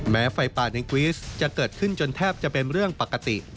ไฟป่าในกวีสจะเกิดขึ้นจนแทบจะเป็นเรื่องปกติ